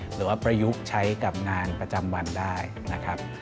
หรือว่าประยุกต์ใช้กับงานประจำวันได้นะครับ